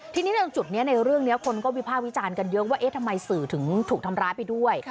ทีนี้เรื่องจุดนี้ในเรื่องนี้คนก็วิภาควิจารณ์กันเยอะว่าเอ๊ะทำไมสื่อถึงถูกทำร้ายไปด้วย